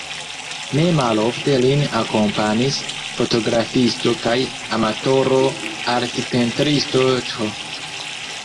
Ne malofte lin akompanis fotografisto kaj amatoro-artpentristo Th.